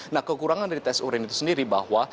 nah kekurangan dari tes urin itu sendiri bahwa